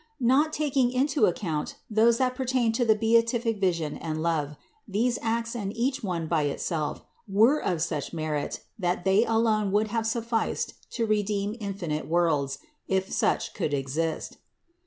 Not taking into account those that pertain to the beatific vision and love, these acts and each one by itself, were of such merit that they alone would have sufficed to redeem infinite worlds, if such could exist.